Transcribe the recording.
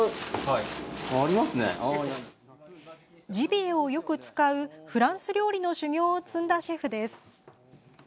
ジビエをよく使うフランス料理の修行を積んだシェフです。